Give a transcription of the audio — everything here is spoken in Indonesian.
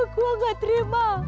gua gak terima